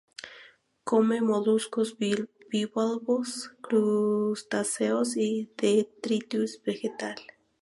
Come moluscos bivalvos, crustáceos y detritus vegetal.